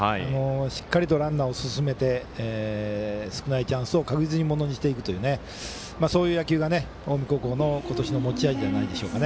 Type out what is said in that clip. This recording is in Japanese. しっかりランナーを進めて少ないチャンスを確実にものにしていくそういう野球が近江高校の今年の持ち味じゃないでしょうか。